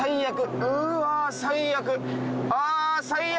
あっ最悪。